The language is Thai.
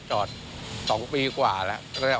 จอด๒ปีกว่าแล้ว